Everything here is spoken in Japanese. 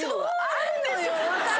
あるのよ！